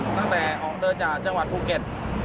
ตั้งแต่ออกเดินจากจังหวัดภูเก็ต